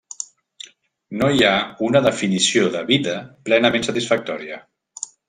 No hi ha una definició de vida plenament satisfactòria.